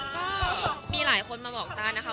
ก็มีหลายคนมาบอกตานะคะ